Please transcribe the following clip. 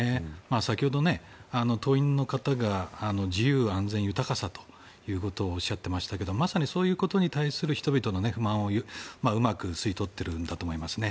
先ほど党員の方が自由・安全豊かさとおっしゃってましたがまさにそういうことに対する人々の不満をうまく吸い取っているんだと思いますね。